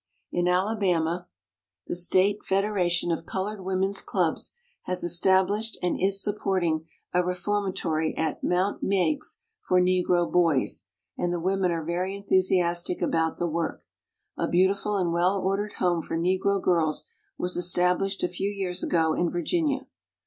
In Alabama the State Feder ation of Colored Women's Clubs has estab lished and is supporting a reformatory at Mt. Meigs for Negro boys, and the women are very enthusiastic about the work. A beautiful and well ordered home for Negro girls was established a few years ago in Virginia.